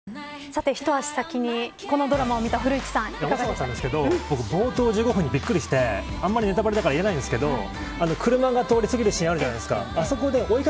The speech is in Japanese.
さてひと足先に、このドラマを僕、冒頭１５分にびっくりしてあんまりネタバレだから言えないんですけど車が通り過ぎるシーンあるじゃないですか。